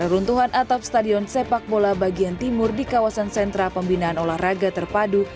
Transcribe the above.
runtuhan atap stadion sepak bola bagian timur di kawasan sentra pembinaan olahraga terpadu